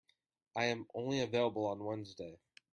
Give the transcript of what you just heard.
I am only available on Wednesday.